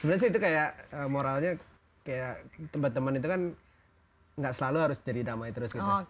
sebenarnya sih itu kayak moralnya kayak teman teman itu kan gak selalu harus jadi damai terus gitu